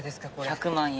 １００万円。